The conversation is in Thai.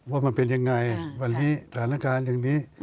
ว่ามันเป็นยังไงวันนี้สถานการณ์อย่างนี้